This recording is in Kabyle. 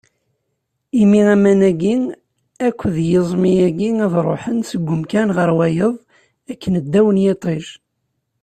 Imi aman-agi akked yiẓmi-agi, ad ruḥen seg umkan ɣer wayeḍ akken ddaw n yiṭij.